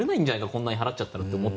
こんなに払っちゃったらって。